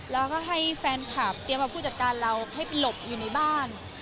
แล้วก็ให้แฟนคลับเตรียมกับผู้จัดการเราให้ไปหลบอยู่ในบ้าน